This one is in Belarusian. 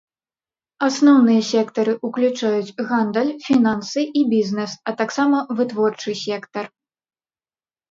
Асноўныя сектары ўключаюць гандаль, фінансы і бізнес, а таксама вытворчы сектар.